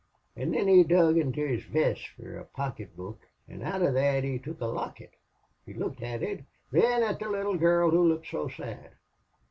An' thin he dug into his vest fer a pocket book, an' out of that he took a locket. He looked at it thin at the little gurl who looked so sad.